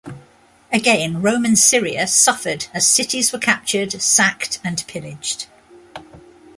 Again Roman Syria suffered as cities were captured, sacked and pillaged.